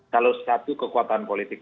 salah satu kekuatan politik